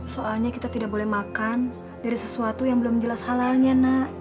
soalnya kita tidak boleh makan dari sesuatu yang belum jelas halalnya nak